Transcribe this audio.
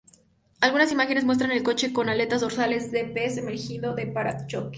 Algunas imágenes muestran el coche con aletas dorsales de pez emergiendo del parachoques.